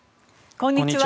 こんにちは。